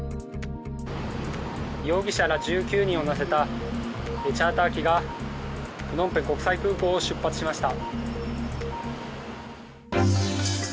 容疑者ら１９人を乗せたチャーター機がプノンペン国際空港を出発しました。